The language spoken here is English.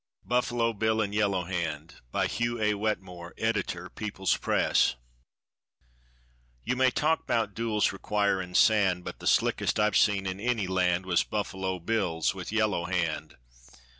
BUFFALO BILL AND YELLOW HAND. (By HUGH A. WETMORE, Editor People's Press.) You may talk 'bout duels requirin' sand, But the slickest I've seen in any land Was Buffalo Bill's with Yellow Hand.